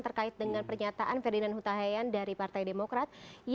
terkait dengan pernyataan ferdinand huta heyan dari partai demokrat